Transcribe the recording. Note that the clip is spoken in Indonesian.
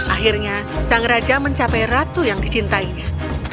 akhirnya sang raja mencapai ratu yang dicintainya